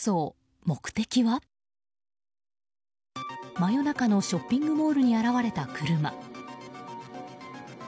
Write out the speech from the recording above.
真夜中のショッピングモールに現れた車。